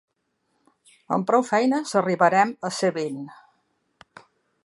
Amb prou feines arribarem a ésser vint.